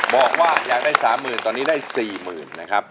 ๔๐๐๐๐บาทบอกว่าอยากได้๓๐๐๐๐ตอนนี้ได้๔๐๐๐๐นะครับ